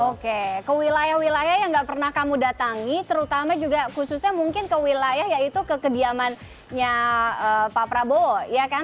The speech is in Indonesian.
oke ke wilayah wilayah yang gak pernah kamu datangi terutama juga khususnya mungkin ke wilayah yaitu ke kediamannya pak prabowo ya kan